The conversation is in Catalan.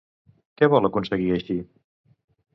Què vol aconseguir així?